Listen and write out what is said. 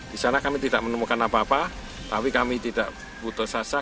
di sana kami tidak menemukan apa apa tapi kami tidak butuh sasak